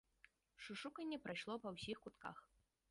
Шушуканне прайшло па ўсіх кутках.